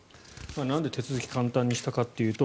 なんで手続きを簡単にしたかというと